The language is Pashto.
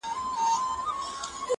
هغه نجلۍ مي اوس پوښتنه هر ساعت کوي-